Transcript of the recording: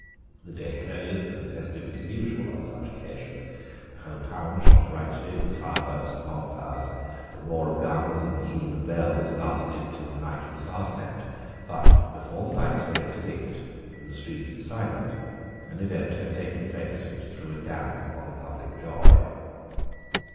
The day closed with the festivities usual on such occasions. The whole town shone brightly with fireworks and bonfires: the roar of guns and the pealing of bells lasted till the night was far spent; but, before the lights were extinct and the streets silent, an event had taken place which threw a damp on the public joy.